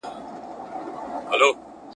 پر نارينه باندي يې لوړښت په برخه وو